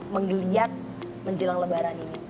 menggeliat menjelang lebaran ini